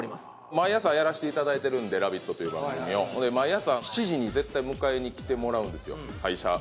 毎朝やらせていただいてるんで「ラヴィット！」という番組をほんで毎朝７時に絶対迎えに来てもらうんですよ